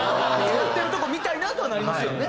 やってるとこ見たいなとはなりますよね